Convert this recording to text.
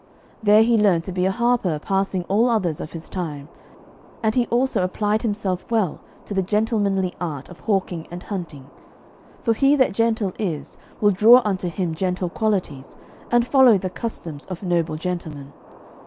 There he learned to be a harper passing all others of his time, and he also applied himself well to the gentlemanly art of hawking and hunting, for he that gentle is will draw unto him gentle qualities and follow the customs of noble gentlemen.